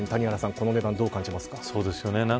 この値段どう感じますか。